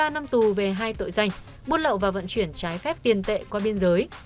ba năm tù về hai tội danh buôn lậu và vận chuyển trái phép tiền tệ qua biên giới